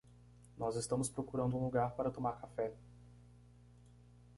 Nós estamos procurando um lugar para tomar café